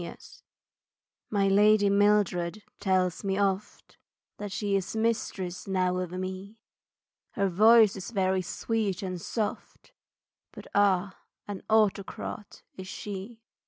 Mildred My lady Mildred tells me oft That she is mistress now of me, Her voice is very sweet and soft, But, ah, an autocrat is she.